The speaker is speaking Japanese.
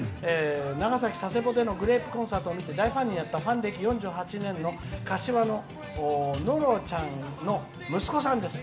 長崎・佐世保でのグレープコンサートを見て大ファンになったファン歴４８年の柏の、のろちゃんの息子さんです。